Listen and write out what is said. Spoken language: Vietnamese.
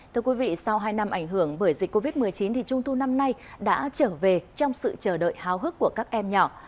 sau hai năm ảnh hưởng bởi dịch covid một mươi chín trung thu năm nay đã trở về trong sự chờ đợi háo hức của các em nhỏ